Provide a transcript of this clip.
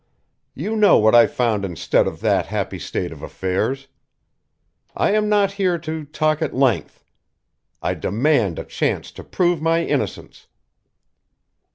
You know what I found instead of that happy state of affairs. I am not here to talk at length. I demand a chance to prove my innocence!"